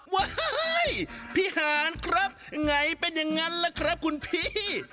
เฮ้ยพี่หานครับไงเป็นอย่างนั้นล่ะครับคุณพี่